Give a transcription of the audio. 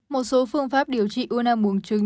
một số phương pháp điều trị u năng bùng trứng